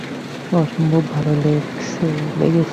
অসম্ভব ভালো লাগছে।